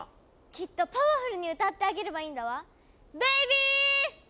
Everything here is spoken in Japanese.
きっとパワフルに歌ってあげればいいんだわ。